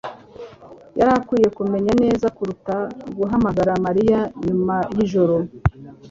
yari akwiye kumenya neza kuruta guhamagara Mariya nyuma yijoro